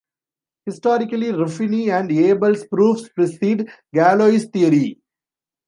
Historically, Ruffini and Abel's proofs precede Galois theory.